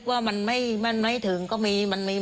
กลับมาอยู่ที่นี่ที่นี่